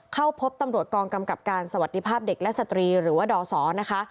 เข้าพบตำรวจกองกำกับการสวัสดีภาพเด็กและสตรีหรือว่าดศนะคะ